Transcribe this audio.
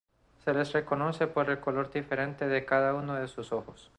Se les reconoce por el color diferente de cada uno de sus dos ojos.